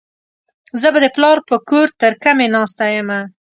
زه به د پلار په کور ترکمي ناسته يمه.